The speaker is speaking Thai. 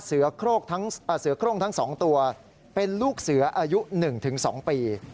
เสือโครงทั้ง๒ตัวเป็นลูกเสืออายุ๑๒ปี